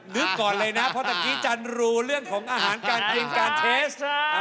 ก่อนเลยนะเพราะตะกี้จันรูเรื่องของอาหารการกินการเทส